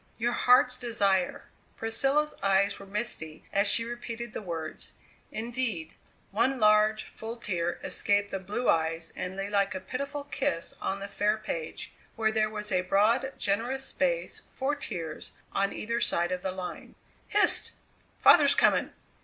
"Your Heart's Desire!" Priscilla's eyes were misty as she repeated the words. Indeed, one large, full tear escaped the blue eyes and lay like a pitiful kiss on the fair page, where there was a broad, generous space for tears on either side of the lines. "Hist! Father's coming!"